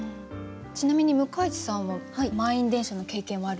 ちなみに向井地さんは満員電車の経験はあるんですか？